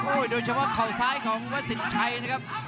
โดยเฉพาะเข่าซ้ายของวัดสินชัยนะครับ